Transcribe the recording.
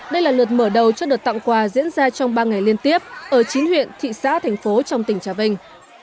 đây là lượt mở đầu cho đợt tặng quà diễn ra trong ba ngày liên tiếp ở chín huyện thị xã thành phố trong tỉnh trà vinh